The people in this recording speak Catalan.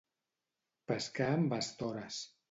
Pescar amb estores.